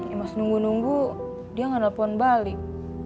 imas nunggu nunggu dia nggak nelfon balik